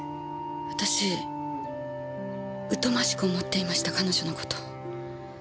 私疎ましく思っていました彼女の事。